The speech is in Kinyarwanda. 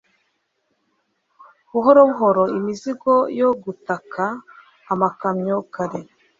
Buhoro buhoro imizigo yo gutaka amakamyo kare